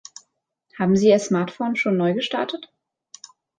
Haben Sie Ihr Smartphone schon neu gestartet?